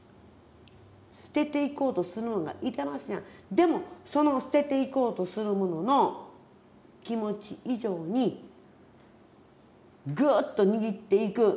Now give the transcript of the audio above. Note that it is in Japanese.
でもその捨てていこうとする者の気持ち以上にグーッと握っていく。